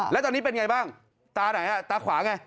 แล้วตอนนี้เป็นไงบ้างตาไหนฮะตาขวาไง